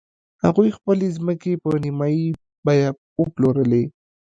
هغوی خپلې ځمکې په نیمايي بیه وپلورلې.